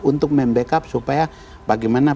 untuk membackup supaya bagaimana